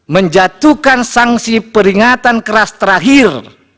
menjatuhkan sanksi peringatan keras terakhir